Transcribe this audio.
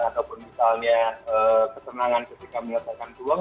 ataupun misalnya kesenangan ketika menyelesaikan peluang